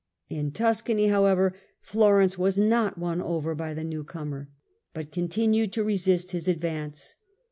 In Tuscany, how ever, Florence was not won over by the new comer, but ITALY, 1313 1P.7S 79 continued to resist his advance.